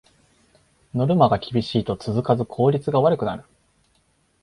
ノルマが厳しいと続かず効率が悪くなる